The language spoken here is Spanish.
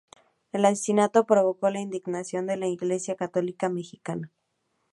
El asesinato provocó la indignación de la iglesia católica mexicana.